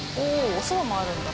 おそばもあるんだ。